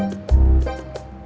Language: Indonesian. aku beri seharian ke budd speech lo